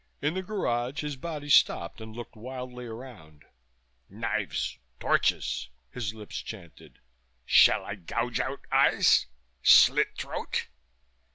In the garage his body stopped and looked wildly around. "Knives, torches," his lips chanted. "Shall I gouge out eyes? Slit throat?"